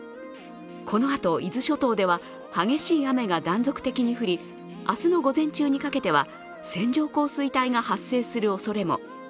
このあと伊豆諸島では激しい雨が断続的に降り明日の午前中にかけては線状降水帯が発生するおそれも。